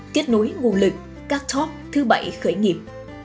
tiết nối nguồn lực các talk thứ bảy khởi nghiệp